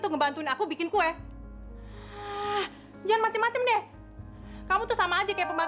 yang itu resoluksi parente engagement atas karakter yang tenang